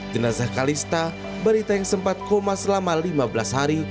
jenazah kalista balita yang sempat koma selama lima belas hari